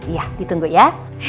iya ditunggu ya